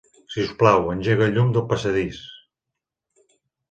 Si us plau, engega el llum del passadís.